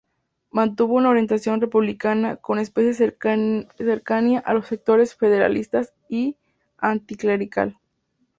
Mantuvo una orientación republicana —con especial cercanía a los sectores federalistas— y anticlerical.